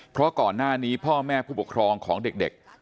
เพราะก่อนหน้านี้พ่อแม่ผู้ปกครองของเด็ก